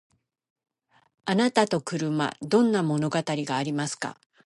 あなたと車どんな物語がありますか？